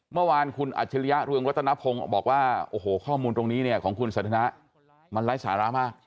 เมื่อวานคุณอัจฉริยะเรืองรัตนพงศ์บอกว่าโอ้โหข้อมูลตรงนี้เนี่ยของคุณสันทนะมันไร้สาระมาก